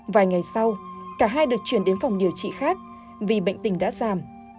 vài ngày sau cả hai được chuyển đến phòng điều trị khác vì bệnh tình đã giảm